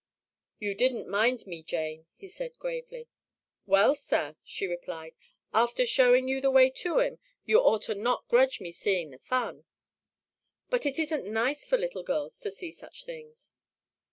"You didn't mind me, Jane," he said gravely. "Well, sir," she replied, "after showin' you the way to 'im, you oughter not grudge me seein' the fun." "But it isn't nice for little girls to see such things."